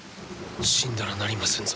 死んだらなりませんぞ。